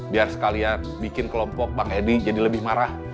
biar sekalian bikin kelompok bang edi jadi lebih marah